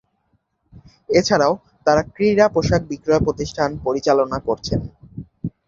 এছাড়াও তারা ক্রীড়া পোশাক বিক্রয় প্রতিষ্ঠান পরিচালনা করছেন।